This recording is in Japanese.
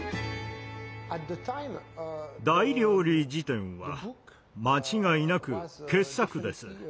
「大料理事典」は間違いなく傑作です。